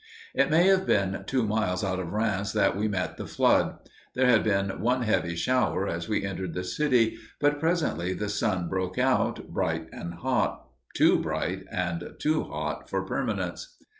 It may have been two miles out of Rheims that we met the flood. There had been one heavy shower as we entered the city, but presently the sun broke out, bright and hot, too bright and too hot for permanence.